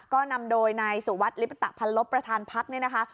ก็นำโดยในสุวรรษลิปตภัณฑ์ลบประธานพักษณ์นี้นะคะ